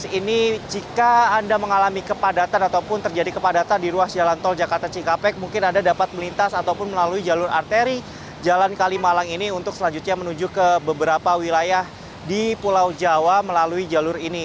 ini jika anda mengalami kepadatan ataupun terjadi kepadatan di ruas jalan tol jakarta cikampek mungkin anda dapat melintas ataupun melalui jalur arteri jalan kalimalang ini untuk selanjutnya menuju ke beberapa wilayah di pulau jawa melalui jalur ini